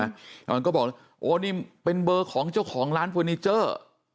มันก็บอกโอ้นี่เป็นเบอร์ของเจ้าของร้านเฟอร์นิเจอร์